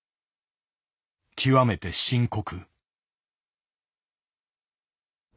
極めて深刻。